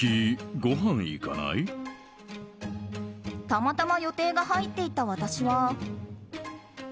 たまたま予定が入っていた私は。